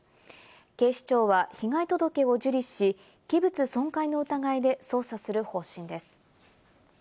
警視庁は被害届を受理し、器物損壊の疑いで捜査する方針です。